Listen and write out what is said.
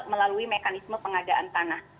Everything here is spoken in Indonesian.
melalui mekanisme pengadaan tanah